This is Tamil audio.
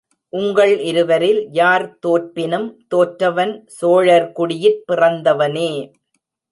உங்கள் இருவரில் யார் தோற்பினும், தோற்றவன் சோழர் குடியிற் பிறந்தவனே!